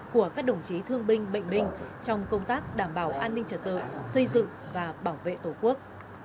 của các đồng chí thương binh bệnh binh trong công tác đảm bảo an ninh trở tự xây dựng và bảo vệ tổ quốc